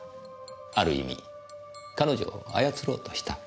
ある意味彼女を操ろうとした。